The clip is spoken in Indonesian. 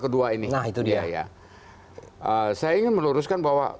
saya ingin meluruskan bahwa